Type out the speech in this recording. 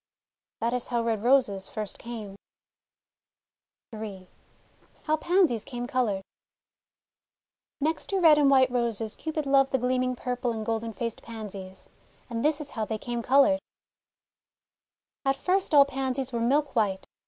That is how Red Roses first came. ROSES OF NECTAR CUPID AMONG THE ROSES 57 in HOW PANSIES CAME COLOURED NEXT to Red and White Roses, Cupid loved the gleaming purple and golden faced Pansies. And this is how they came coloured :— At first all Pansies were milk white.